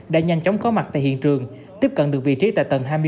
đã nhanh chóng có mặt tại hiện trường tiếp cận được vị trí tại tầng hai mươi bảy